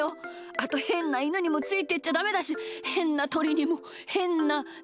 あとへんなイヌにもついてっちゃダメだしへんなとりにもへんなネコにも。